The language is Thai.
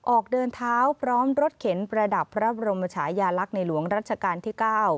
ออกเดินเท้าพร้อมรถเข็นประดับพระบรมชายาลักษณ์ในหลวงรัชกาลที่๙